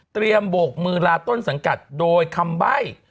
โบกมือลาต้นสังกัดโดยคำใบ้